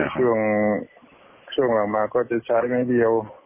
ช่วงหลังมาก็จะใช้ไม้เดียว